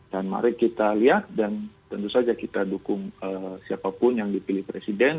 dan mari kita lihat dan tentu saja kita dukung siapapun yang dipilih presiden